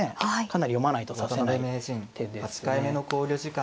かなり読まないと指せない手ですね。